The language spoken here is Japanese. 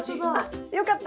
よかった。